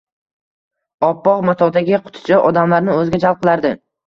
Oppoq matodagi quticha odamlarni o`ziga jalb qilardi